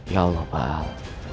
ya allah pak al